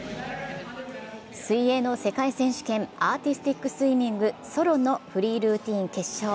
水泳の世界選手権アーティスティックスイミングソロのフリールーティン決勝。